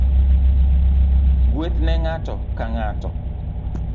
Gweth ne ngato ka ngato